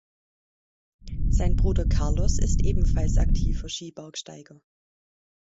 Sein Bruder Carlos ist ebenfalls aktiver Skibergsteiger.